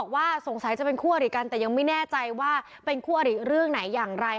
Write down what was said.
ยังงั้นเลยหรอ